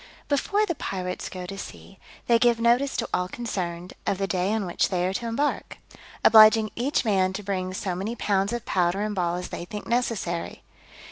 _ BEFORE the pirates go to sea, they give notice to all concerned, of the day on which they are to embark; obliging each man to bring so many pounds of powder and ball as they think necessary.